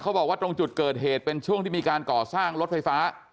บอกว่าตรงจุดเกิดเหตุเป็นช่วงที่มีการก่อสร้างรถไฟฟ้า